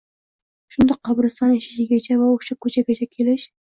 shundoq qabriston eshigigacha va o'sha ko'chagacha kelish